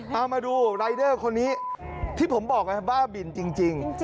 เอามาดูรายเดอร์คนนี้ที่ผมบอกไงบ้าบินจริง